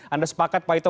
anda sepakat pak ito